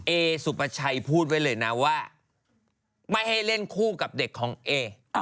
เอสุปชัยพูดไว้เลยนะว่าไม่ให้เล่นคู่กับเด็กของเอ